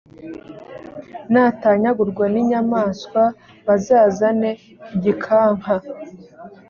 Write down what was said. natanyagurwa n’inyamaswa bazazane igikanka